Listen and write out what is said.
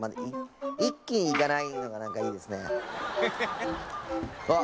一気にいかないのが何かいいですねあっ